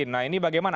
nah ini bagaimana